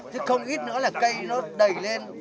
chứ không ít nữa là cây nó đầy lên